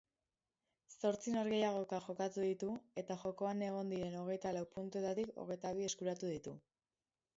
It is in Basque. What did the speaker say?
Zortzi norgehiagoka jokatu ditu eta jokoan egon diren hogeitalau puntuetatik hogeitabi eskuratu ditu.